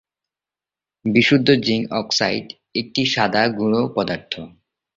বিশুদ্ধ zinc oxide একটি সাদা গুঁড়ো পদার্থ।